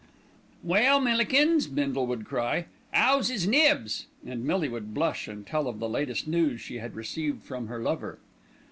"Well, Millikins!" Bindle would cry, "'ow's 'is Nibs?" and Millie would blush and tell of the latest news she had received from her lover.